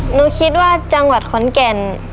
หนูคิดว่าจังหวัดขอนแก่น